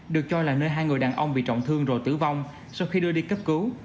được cho là nơi hai người đàn ông bị trọng thương rồi tử vong sau khi đưa đi cấp cứu